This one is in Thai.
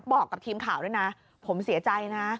บอกกับทีมข่าวด้วยนะผมเสียใจนะ